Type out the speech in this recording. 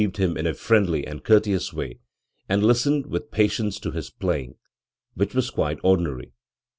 155 him in a friendly and courteous way, and listened with patience to his playing, which was quite ordinary.